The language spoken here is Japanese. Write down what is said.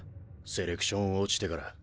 セレクション落ちてから。